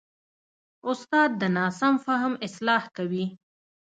استاد د ناسم فهم اصلاح کوي.